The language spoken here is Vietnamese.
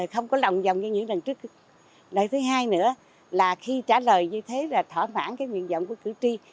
không có lòng vòng như những lần trước lần thứ hai nữa là khi trả lời như thế là thỏa mãn cái nguyện vọng của cử tri